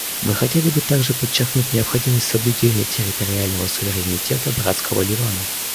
Мы хотели бы также подчеркнуть необходимость соблюдения территориального суверенитета братского Ливана.